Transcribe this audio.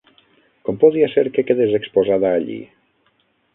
Com podia ser que quedés exposada allí?